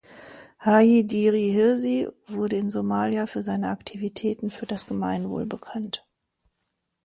Haji Dirie Hirsi wurde in Somalia für seine Aktivitäten für das Gemeinwohl bekannt.